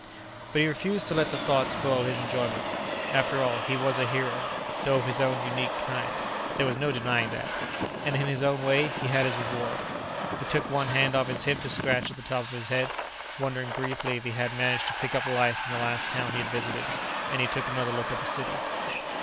But he refused to let the thought spoil his enjoyment. After all, he was a hero, though of his own unique kind; there was no denying that. And, in his own way, he had his reward. He took one hand off his hip to scratch at the top of his head, wondering briefly if he had managed to pick up lice in the last town he had visited, and he took another look at the city.